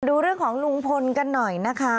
ดูเรื่องของลุงพลกันหน่อยนะคะ